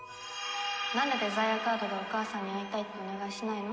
なんでデザイアカードでお母さんに会いたいってお願いしないの？